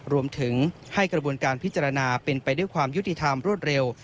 รวมถึงให้กระบวนการพิจารณาเป็นไปด้วยความยุติธรรมรวดเร็ว